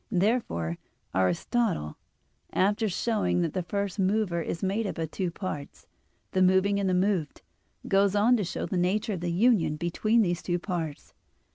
Wherefore Aristotle (Phys. viii, text. 42, 43), after showing that the first mover is made up of two parts, the moving and the moved, goes on to show the nature of the union between these two parts.